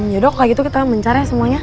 yaudah kalau gitu kita mencar ya semuanya